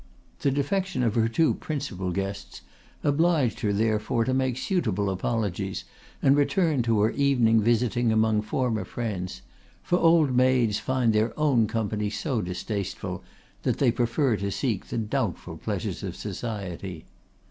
The defection of her two principal guests obliged her therefore to make suitable apologies and return to her evening visiting among former friends; for old maids find their own company so distasteful that they prefer to seek the doubtful pleasures of society.